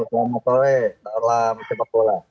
selamat sore selamat siang pak kola